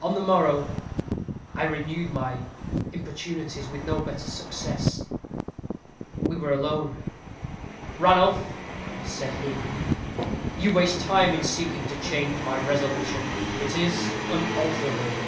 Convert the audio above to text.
"On the morrow I renewed my importunities, with no better success. We were alone. "'Ranulph,' said he, 'you waste time in seeking to change my resolution. It is unalterable.